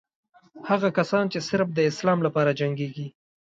هغه کسان چې صرف د اسلام لپاره جنګېږي.